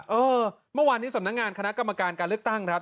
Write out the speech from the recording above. เออเมื่อวานนี้สำนักงานคณะกรรมการการเลือกตั้งครับ